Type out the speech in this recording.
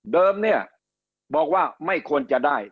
เนี่ยบอกว่าไม่ควรจะได้